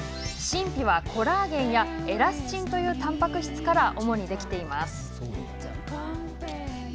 真皮はコラーゲンやエラスチンというたんぱく質から主にできています。